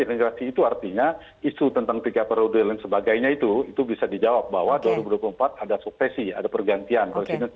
integrasi itu artinya isu tentang tiga periode dan lain sebagainya itu itu bisa dijawab bahwa dua ribu dua puluh empat ada suksesi ada pergantian